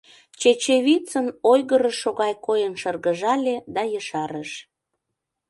Чечевицын ойгырышо гай койын шыргыжале да ешарыш: